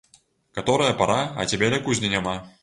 Каторая пара, а цябе ля кузні няма.